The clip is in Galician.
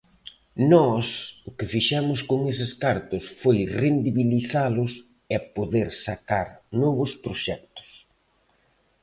Nós, o que fixemos con eses cartos foi rendibilizalos e poder sacar novos proxectos.